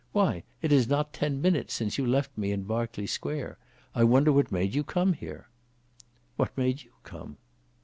"Why, it is not ten minutes since you left me in Berkeley Square. I wonder what made you come here." "What made you come?"